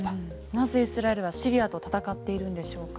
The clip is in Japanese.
なぜイスラエルはシリアと戦っているんでしょうか。